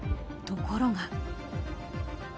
ところが。